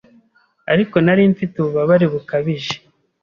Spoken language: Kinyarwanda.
ariko nari mfite ububabare bukabije,